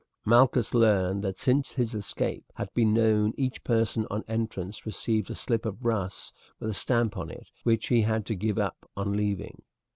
Malchus learned that since his escape had been known each person on entrance received a slip of brass with a stamp on it which he had to give up on leaving.